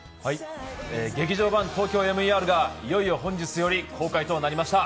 「劇場版ＴＯＫＹＯＭＥＲ」がいよいよ本日より公開となりました。